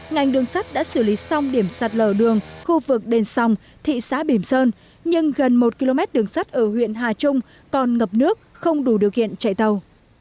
ngành đường sắt đã xử lý xong điểm sạt lở đường khu vực đền sòng thị xã bìm sơn nhưng gần một km đường sắt ở huyện hà trung còn ngập nước không đủ điều kiện chạy tàu